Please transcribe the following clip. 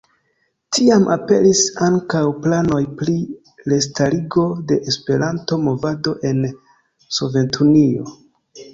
Tiam aperis ankaŭ planoj pri restarigo de Esperanto-movado en Sovetunio.